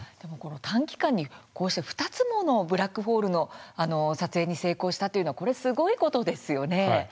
短期間にこうして２つものブラックホールの撮影に成功したというのはすごいことですよね。